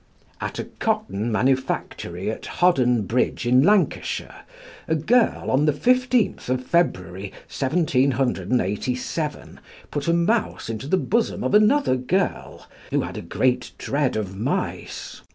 "At a cotton manufactory at Hodden Bridge, in Lancashire, a girl, on the fifteenth of February, 1787, put a mouse into the bosom of another girl, who had a great dread of mice.